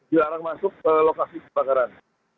dilarang masuk lokasi kebakaran